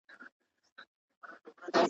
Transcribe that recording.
ما چي میوند، میوند نارې وهلې.